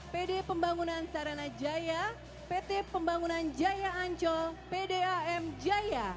pt pembangunan sarana jaya pt pembangunan jaya anco pd am jaya